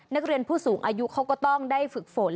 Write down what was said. นักเรียนผู้สูงอายุเขาก็ต้องได้ฝึกฝน